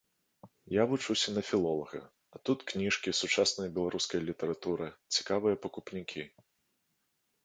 Я вучуся на філолага, а тут кніжкі, сучасная беларуская літаратура, цікавыя пакупнікі.